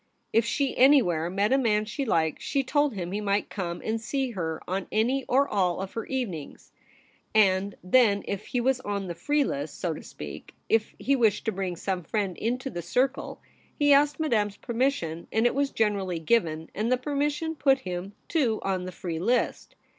If she anywhere met a man she liked, she told him he might come and see her on any or all of her evenings ; and then he was on the free list, so to speak. If he wished to bring some friend into the circle, he asked Madame's permission, and it was generally given, and the permission put him, too, on the free list.